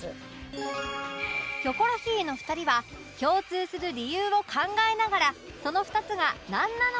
キョコロヒーの２人は共通する理由を考えながらその２つがなんなのかを推理